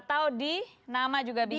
atau di nama juga bisa